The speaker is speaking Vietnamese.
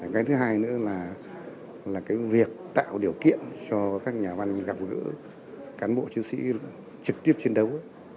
cái thứ hai nữa là cái việc tạo điều kiện cho các nhà văn gặp gỡ cán bộ chiến sĩ trực tiếp chiến đấu